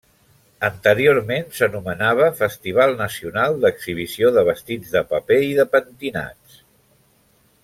Anteriorment s'anomenava Festival Nacional d'Exhibició de Vestits de Paper i de Pentinats.